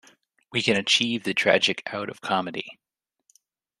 We can achieve the tragic out of comedy.